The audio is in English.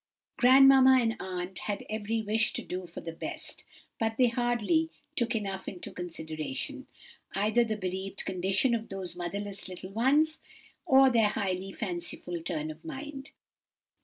Grandmamma and aunt had every wish to do for the best, but they hardly took enough into consideration, either the bereaved condition of those motherless little ones, or their highly fanciful turn of mind.